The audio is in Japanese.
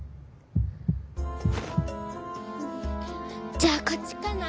「じゃあこっちかな？